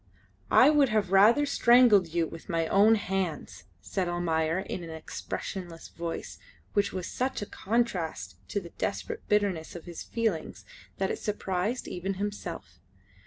"I would have rather strangled you with my own hands," said Almayer, in an expressionless voice which was such a contrast to the desperate bitterness of his feelings that it surprised even himself.